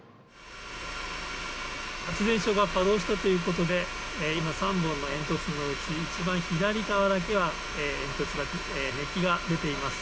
発電所が稼働したということで今、３本の煙突のうち一番左側だけは熱気が出ています。